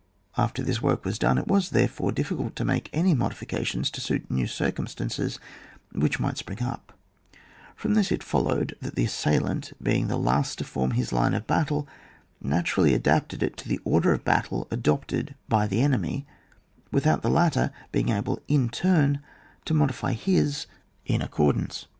After this work was done it was therefore difficult to make any modifications to suit new circum stances which might spring up; from this it followed that the assailant, being the last to form his line of battle, natu rally adapted it to the order of battle adopted by the enemy, without the latter being able in turn to modify his in accor CRAP. XV.] DEFENCE OF MOUNTAINS. 121 dance.